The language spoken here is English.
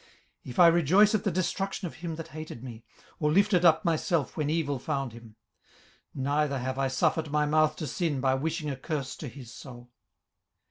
18:031:029 If I rejoice at the destruction of him that hated me, or lifted up myself when evil found him: 18:031:030 Neither have I suffered my mouth to sin by wishing a curse to his soul.